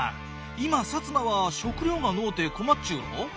今摩は食料がのうて困っちゅうろう？